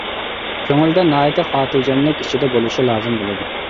كۆڭۈلدە ناھايىتى خاتىرجەملىك ئىچىدە بولۇشى لازىم بولىدۇ.